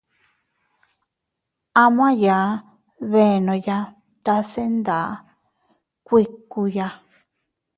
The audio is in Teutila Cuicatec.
A maʼya dbenoya tase ndas kuikkuya.